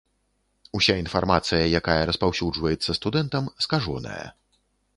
Уся інфармацыя, якая распаўсюджваецца студэнтам, скажоная.